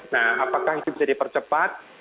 nah apakah itu bisa dipercepat